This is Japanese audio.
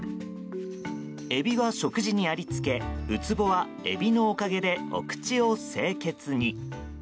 エビは食事にありつけウツボはエビのおかげでお口を清潔に。